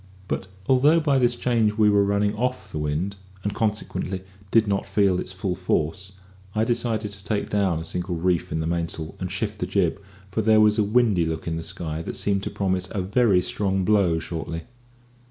But although by this change we were running off the wind, and consequently did not feel its full force, I decided to take down a single reef in the mainsail, and shift the jib; for there was a windy look in the sky that seemed to promise a very strong blow shortly.